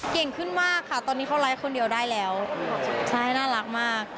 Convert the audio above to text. เก่งขึ้นมากค่ะตอนนี้เขาไลฟ์คนเดียวได้แล้วใช่น่ารักมาก